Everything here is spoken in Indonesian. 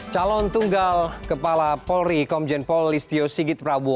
calon tunggal kepala polri komjen pol listio sigit prabowo